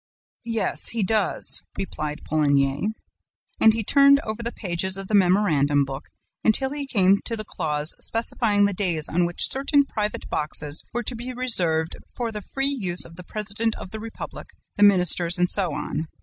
"'Yes, he does,' replied Poligny. "And he turned over the pages of the memorandum book until he came to the clause specifying the days on which certain private boxes were to be reserved for the free use of the president of the republic, the ministers and so on.